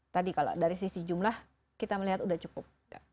tadi kalau dari sisi jumlah kita melihat sudah cukup